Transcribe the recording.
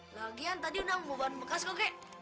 lagian tadi udah membuat bekas kuk kik